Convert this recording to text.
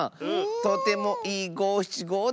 とてもいいごしちごだゴロ！